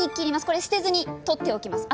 これ捨てずに取っておきます。